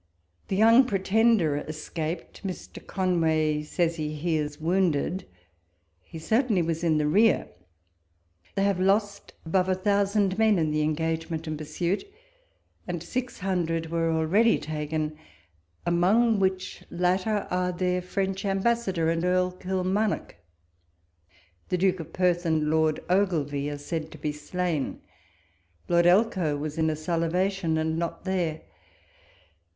The young Pretender escaped ; Mr. Conway says he hears, wounded: he cer tainly was in the rear. They have lost above a thousand men in the engagement and pursuit ; and six hundred were already taken ; among which latter are their French ambassador and Earl Kilmarnock. The Duke of Perth and Lord Ogilvie are said to be slain ; Lord Elcho was in a salivation, and not there.